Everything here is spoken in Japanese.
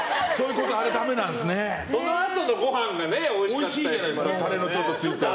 そのあとのご飯がおいしかったりするじゃないですか。